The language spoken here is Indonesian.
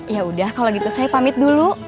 ya udah kalau gitu saya pamit dulu